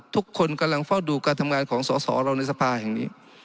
ทุกคนกำลังเฝ้าดูการทำงานของสอสอเราในสภาแห่งนี้